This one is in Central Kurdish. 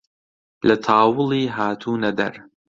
لە تاوڵی هاتوونە دەر